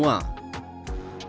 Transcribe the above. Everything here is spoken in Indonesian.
dan dikutip kebanyakan pilihan manual